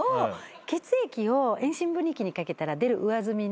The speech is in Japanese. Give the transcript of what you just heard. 血液を遠心分離器にかけたら出る上澄みの。